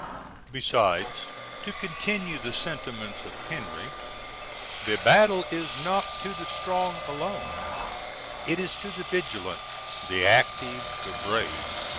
Besides (to continue the sentiments of Henry), the battle is not to the strong alone, it is to the vigilant, the active, the brave.